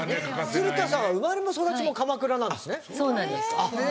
鶴田さんは生まれも育ちも鎌倉なんですね。